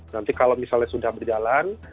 nanti kalau misalnya sudah berjalan